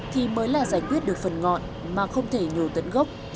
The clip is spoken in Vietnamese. thì mới là giải quyết được phần ngọn mà không thể nhổ tận gốc chốc tận dễ